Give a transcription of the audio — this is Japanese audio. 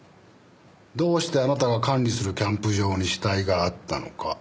どうしてあなたが管理するキャンプ場に死体があったのか。